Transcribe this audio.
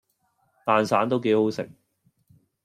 蛋散都幾好食